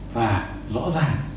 và rõ ràng